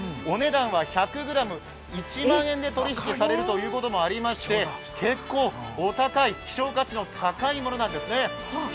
お値段は１００ｇ１万円で取引されるということもありまして結構お高い、希少価値の高いものなんですね。